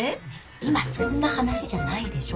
今そんな話じゃないでしょ。